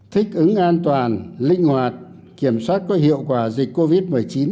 thích ứng an toàn linh hoạt kiểm soát có hiệu quả dịch covid một mươi chín